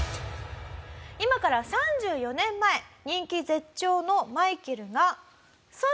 今から３４年前人気絶頂のマイケルが。